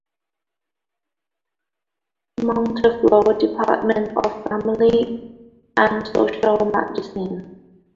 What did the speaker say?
Montefiore Department of Family and Social Medicine.